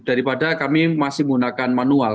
daripada kami masih menggunakan manual